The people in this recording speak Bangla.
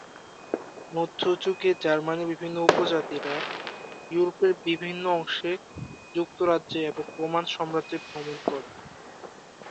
মধ্যযুগে জার্মানির বিভিন্ন উপজাতিরা ইউরোপের বিভিন্ন অংশে, যুক্তরাজ্যে এবং রোমান সাম্রাজ্যে ভ্রমণ করেন।